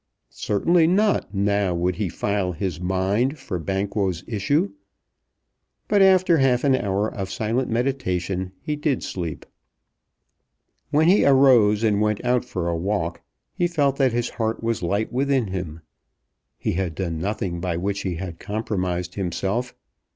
Certainly not now would he file his mind for Banquo's issue. But after half an hour of silent meditation he did sleep. When he arose and went out for a walk he felt that his heart was light within him. He had done nothing by which he had compromised himself.